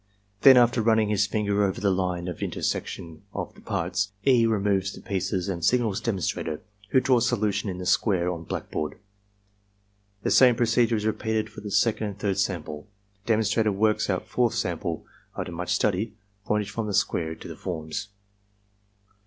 Then, after running his finger over the line of intersection of the parts, E. removes the pieces and signals demonstrator, who draws solution in the square on blackboard. The same procedure is repeated for the second and third sample. Demonstrator works out fourth sample, after much study, pointing from the square to the forms.